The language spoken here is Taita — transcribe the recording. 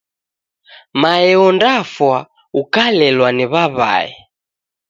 Mae ondafwa ukalelwa ni w'aw'ae.